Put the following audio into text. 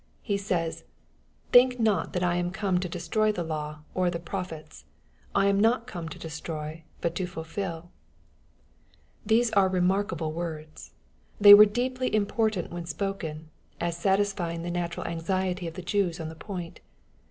He says, '^ Think not that I am come to destroy the law, or the prophets : I am not come to destroy, but to fulfil'' These are remarkable words. They were deeply important when spoken, as satisfying the natural anxiety of the Jews on the point.